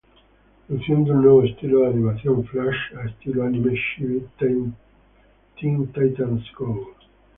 Luciendo un nuevo estilo de animación flash a estilo anime chibi, "Teen Titans Go!